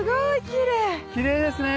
きれいですね。